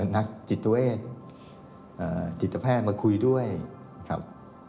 นักจิตเตอร์เอสจิตแพทย์มาคุยด้วยครับ